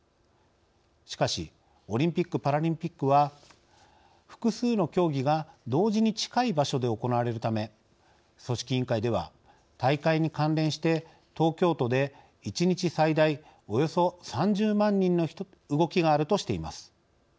しかし、オリンピック・パラリンピックは複数の競技が同時に近い場所で行われるため組織委員会では大会に関連して東京都で１日最大およそ３０万人の動きがあるとしています。